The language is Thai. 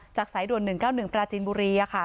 สายด่วน๑๙๑ปราจีนบุรีค่ะ